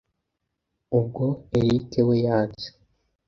ubwo erick we yanze